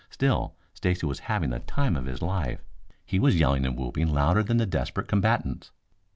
Still, Stacy was having the time of his life. He was yelling and whooping louder than the desperate combatants.